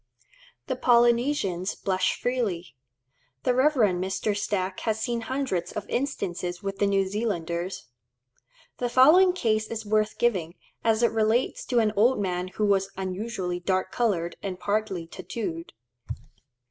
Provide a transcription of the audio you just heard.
The Polynesians blush freely. The Rev. Mr. Stack has seen hundreds of instances with the New Zealanders. The following case is worth giving, as it relates to an old man who was unusually dark coloured and partly tattooed.